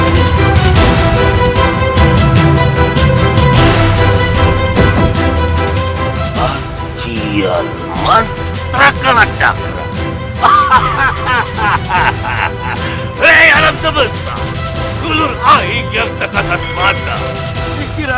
raden raden kamu dihukum mati